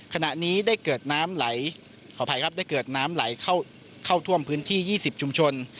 ขณะนี้ได้เกิดน้ำไหลเข้าท่วมพื้นที่๒๐ชุมชน